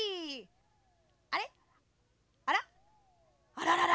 あららら！